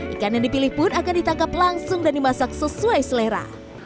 ikan yang dipilih pun akan ditangkap langsung dan dimasak sesuai selera